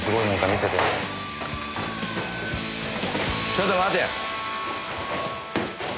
ちょっと待てよ。